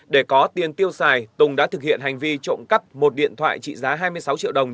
để có tiền tiêu xài tùng đã thực hiện hành vi trộm cắp một điện thoại trị giá hai mươi sáu triệu đồng